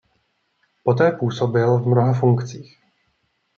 Poté působil v mnoha funkcích.